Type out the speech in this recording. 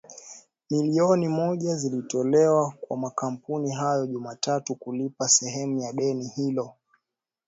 milioni moja zilitolewa kwa makampuni hayo Jumatatu kulipa sehemu ya deni hilo